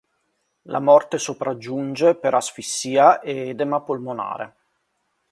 La morte sopraggiunge per asfissia e edema polmonare.